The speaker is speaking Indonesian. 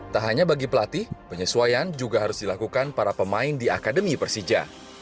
tak hanya bagi pelatih penyesuaian juga harus dilakukan para pemain di akademi persija